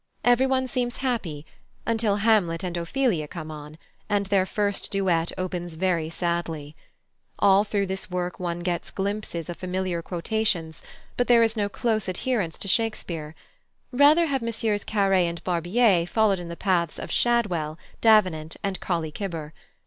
Everyone seems happy until Hamlet and Ophelia come on, and their first duet opens very sadly. All through this work one gets glimpses of familiar quotations, but there is no close adherence to Shakespeare; rather have MM. Carré and Barbier followed in the paths of Shadwell, Davenant, and Colley Cibber.